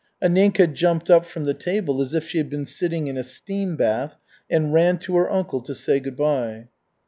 Anninka jumped up from the table as if she had been sitting in a steam bath, and ran to her uncle to say good by.